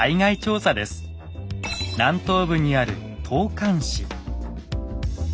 南東部にある東莞市。